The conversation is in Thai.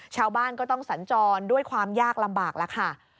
ชาวบ้านก็ต้องสัญจรด้วยความยากลำบากแล้วค่ะ